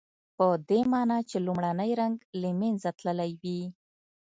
پدې معنی چې لومړنی رنګ له منځه تللی وي.